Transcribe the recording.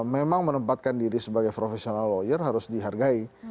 memang menempatkan diri sebagai profesional lawyer harus dihargai